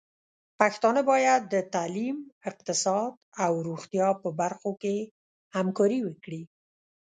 پښتانه بايد د تعليم، اقتصاد او روغتيا په برخو کې همکاري وکړي.